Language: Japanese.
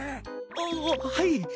あっはい。